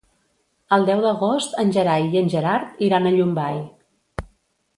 El deu d'agost en Gerai i en Gerard iran a Llombai.